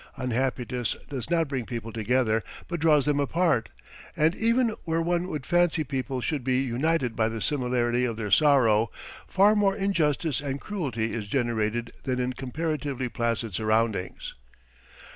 Unhappiness does not bring people together but draws them apart, and even where one would fancy people should be united by the similarity of their sorrow, far more injustice and cruelty is generated than in comparatively placid surroundings.